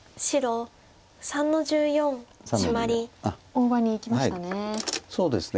大場にいきましたね。